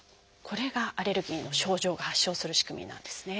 これがアレルギーの症状が発症する仕組みなんですね。